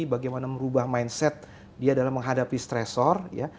bagaimana merubah mindset dia dalam menghadapi stressor